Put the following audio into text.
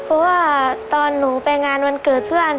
เพราะว่าตอนหนูไปงานวันเกิดเพื่อน